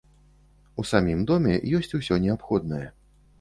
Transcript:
У самім доме ёсць усё неабходнае.